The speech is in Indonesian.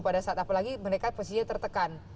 pada saat apalagi mereka posisinya tertekan